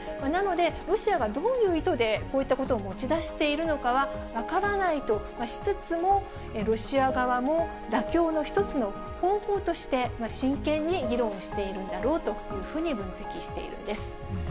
なので、ロシアがどういう意図でこういったことを持ち出しているのかは分からないとしつつも、ロシア側も妥協の一つの方法として、真剣に議論をしているんだろうというふうに分析しているんです。